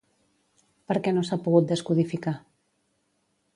Per què no s'ha pogut descodificar?